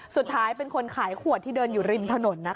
สุดท้ายเป็นคนขายขวดที่เดินอยู่ริมถนนนะคะ